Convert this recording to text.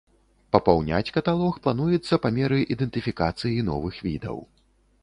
Папаўняць каталог плануецца па меры ідэнтыфікацыі новых відаў.